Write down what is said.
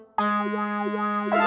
eh meskipun puasa